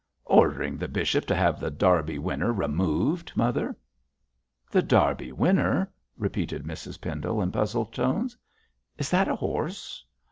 'Ordering the bishop to have The Derby Winner removed, mother.' 'The Derby Winner,' repeated Mrs Pendle, in puzzled tones; 'is that a horse?'